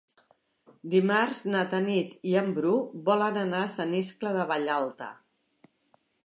Dimarts na Tanit i en Bru volen anar a Sant Iscle de Vallalta.